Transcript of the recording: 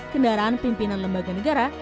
kendaraan pimpinan lembaga negara